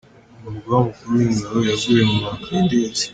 Umugaba mukuru w’ingabo yaguye mu mpanuka y’indege